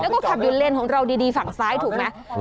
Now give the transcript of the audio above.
แล้วก็ขับอยู่เลนของเราดีฝั่งซ้ายถูกไหม